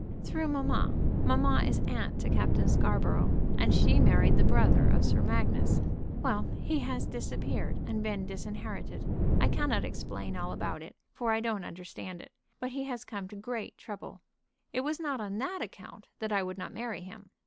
"Through mamma. Mamma is aunt to Captain Scarborough, and she married the brother of Sir Magnus. Well, he has disappeared and been disinherited. I cannot explain all about it, for I don't understand it; but he has come to great trouble. It was not on that account that I would not marry him.